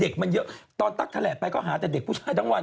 ก็เลยเอาออกมาถ่าย